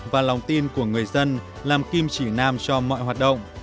và lòng tin của người dân làm kim chỉ nam cho mọi hoạt động